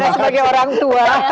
karena sebagai orang tua